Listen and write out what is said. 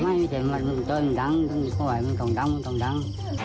ไม่ไม่ใช่หมัดน้องจ้อยมันต้องทั้งมันต้องทั้งมันต้องทั้ง